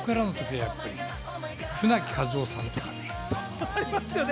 舟木一夫さんとかね。